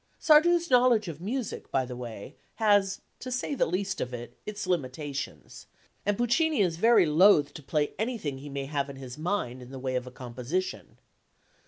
Sardou's knowledge of music, by the way, has, to say the least of it, its limitations, and Puccini is very loth to play anything he may have in his mind in the way of a composition.